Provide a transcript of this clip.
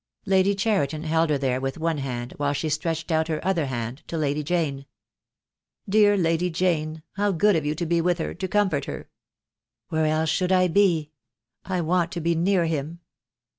Lady Cheriton held her there with one hand while she stretched out her other hand to Lady Jane. "Dear Lady Jane, how good of you to be with her — to comfort her." "Where else should I be? — I want to be near him!"